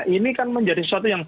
ini kan menjadi sesuatu yang